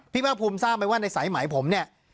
พี่พระอภูมิทราบไว้ว่าในสายไหมผมเนี่ย